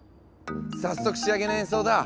早速仕上げの演奏だ。